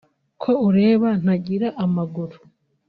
ko ureba ntagira amaguru